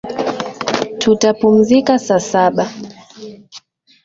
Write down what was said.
Tutapumzika saa saba.